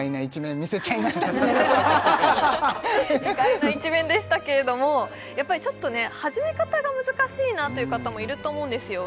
意外な一面でしたけれどもやっぱりちょっとね始め方が難しいなという方もいると思うんですよ